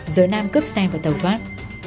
giữa nam cướp xe và tàu thoát